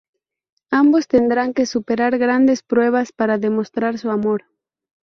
Ambos tendrán que superar grandes pruebas para demostrar su amor.